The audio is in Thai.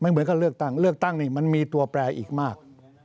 เหมือนกับเลือกตั้งเลือกตั้งนี่มันมีตัวแปลอีกมาก